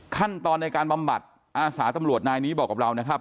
ขั้นตอนในการบำบัดอาสาตำรวจนายนี้บอกกับเรานะครับ